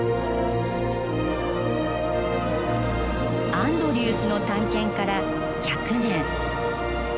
アンドリュースの探検から１００年。